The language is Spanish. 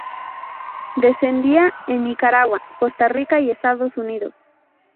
Descendencia en Nicaragua, Costa Rica y Estados Unidos.